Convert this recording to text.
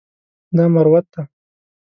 دا مروت ده.